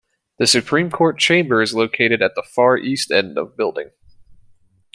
The Supreme Court chamber is located at the far east end of building.